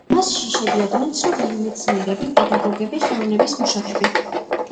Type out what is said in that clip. მასში შედიოდნენ ცნობილი მეცნიერები, პედაგოგები, ხელოვნების მუშაკები.